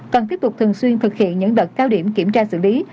cần tiếp tục thường xuyên thực hiện những đợt cao điểm kiểm tra xử lý